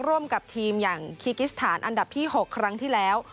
ร่วมกับทีมอย่างคีกิสถานอันดับที่๖ครั้งที่แล้ว